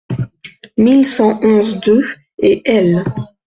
mille cent onze-deux et L.